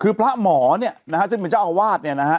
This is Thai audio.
คือพระหมอเนี่ยนะฮะซึ่งเป็นเจ้าอาวาสเนี่ยนะฮะ